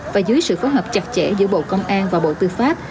và dưới sự phối hợp chặt chẽ giữa bộ công an và bộ tư pháp